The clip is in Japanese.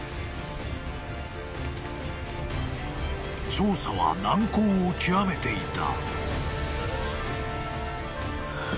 ［調査は難航を極めていた］